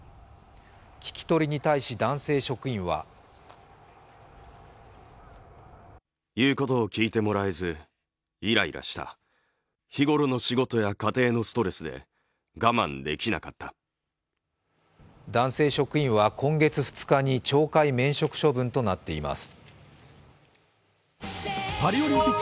聞き取りに対し男性職員は男性職員は今月２日に懲戒免職処分となっています。